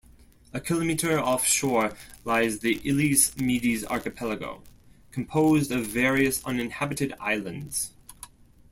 A kilometre off shore lies the Illes Medes archipelago, composed of various uninhabited islands.